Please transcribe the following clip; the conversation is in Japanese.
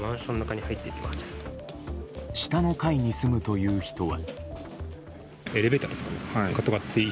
下の階に住むという人は。